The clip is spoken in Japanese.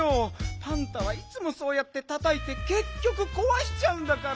パンタはいつもそうやってたたいてけっきょくこわしちゃうんだから。